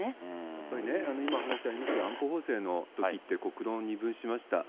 やっぱりね、今、話ありましたけれども、安保法制のときって、国論を二分しました。